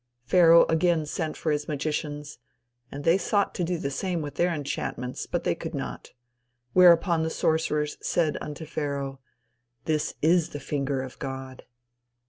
Pharaoh again sent for his magicians, and they sought to do the same with their enchantments, but they could not. Whereupon the sorcerers said unto Pharaoh: "This is the finger of God."